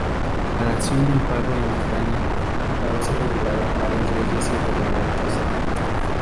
La dación en pago en España aparece regulada en varias leyes y reglamentos.